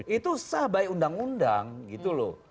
itu sah by undang undang gitu loh